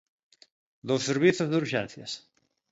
Nos servizos de urxencias.